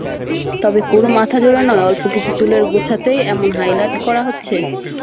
তবে পুরো মাথাজুড়ে নয়, অল্প কিছু চুলের গোছাতেই এমন হাইলাইট করা হচ্ছে।